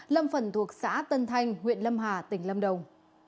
lâm phần thuộc xã tân thanh huyện lâm hà tỉnh lâm đồng